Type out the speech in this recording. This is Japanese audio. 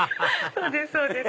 そうですそうです。